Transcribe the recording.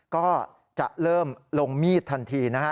ก็จะเริ่มลงมีดทันทีนะฮะ